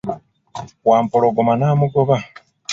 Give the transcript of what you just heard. Wampologoma namugoba.